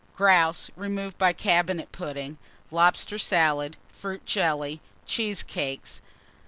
_ Grouse, removed by Cabinet Pudding. Lobster Salad. Fruit Jelly. Cheesecakes.